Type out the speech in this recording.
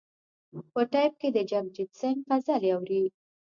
په ټیپ کې د جګجیت سنګ غزلې اوري.